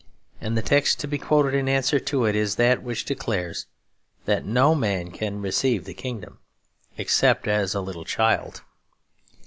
And the text to be quoted in answer to it is that which declares that no man can receive the kingdom except as a little child.